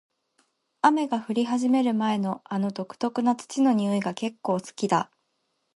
雨が降り始める前の、あの独特な土の匂いが結構好きだ。